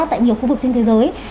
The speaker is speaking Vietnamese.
tại nhiều khu vực trên thế giới